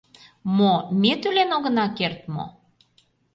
Мо, ме тӱлен огына керт мо?